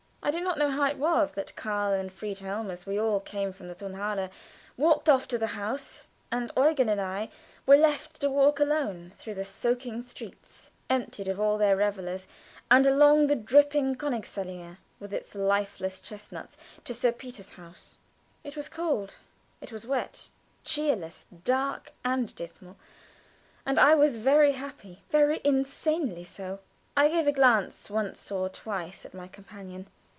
I do not know how it was that Karl and Friedhelm, as we all came from the Tonhalle, walked off to the house, and Eugen and I were left to walk alone through the soaking streets, emptied of all their revelers, and along the dripping Königsallée, with its leafless chestnuts, to Sir Peter's house. It was cold, it was wet cheerless, dark, and dismal, and I was very happy very insanely so. I gave a glance once or twice at my companion.